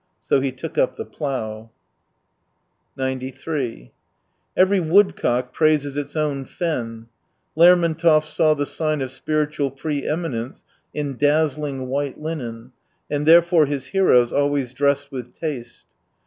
So he took up the plough. Every woodcock praises its own fen ; Lermontov saw the sign of spiritual pre eminence in dazzling white linen, and there fore his heroes always dressed with taste.